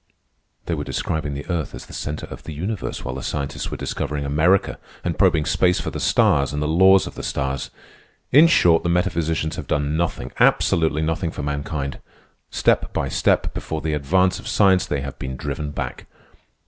They were describing the earth as the centre of the universe, while the scientists were discovering America and probing space for the stars and the laws of the stars. In short, the metaphysicians have done nothing, absolutely nothing, for mankind. Step by step, before the advance of science, they have been driven back.